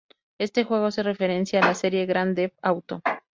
Este juego hace referencia a la serie "Grand Theft Auto".